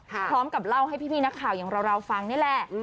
พร้อมกับเล่าให้พี่นักข่าวอย่างเราฟังนี่แหละ